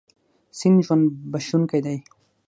سیند ژوند بښونکی دی.